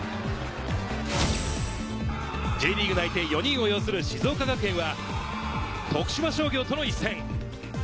Ｊリーグ内定４人を擁する静岡学園は徳島商業との一戦。